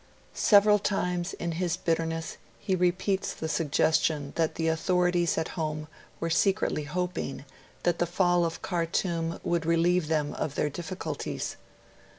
Several times in his bitterness he repeats the suggestion that the authorities at home were secretly hoping that the fall of Khartoum would relieve them of their difficulties.